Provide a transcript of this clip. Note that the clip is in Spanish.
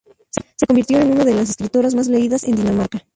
Se convirtió en una de las escritoras más leídas en Dinamarca.